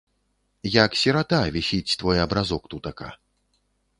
Як сірата, вісіць твой абразок тутака.